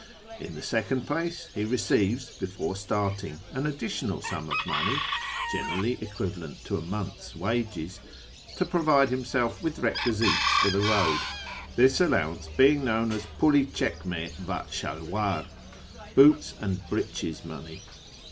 In the second place he receives, before starting, an additional sum of money (generally equivalent to a month's wages) to provide himself with requisites for the road, this allowance being known as 2^ul i chch7i(^ va shalwdr (" boots and breeches money